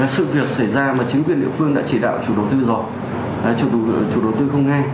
sự việc xảy ra mà chính quyền địa phương đã chỉ đạo chủ đầu tư rồi chủ đầu tư không nghe